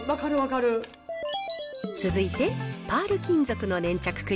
続いて、パール金属の粘着ク